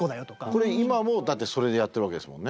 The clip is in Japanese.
今もだってそれでやってるわけですもんね。